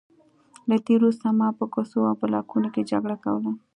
له دې وروسته ما په کوڅو او بلاکونو کې جګړه کوله